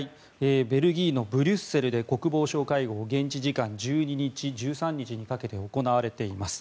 ベルギーのブリュッセルで国防相会合現地時間１２日、１３日にかけて行われています。